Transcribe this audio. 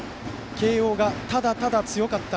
慶応がただただ強かった。